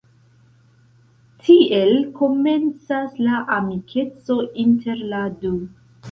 Tiel komencas la amikeco inter la du.